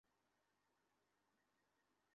আমি টাকা পরিশোধ করা খদ্দের।